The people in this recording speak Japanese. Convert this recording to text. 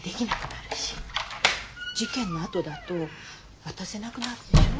事件のあとだと渡せなくなるでしょ。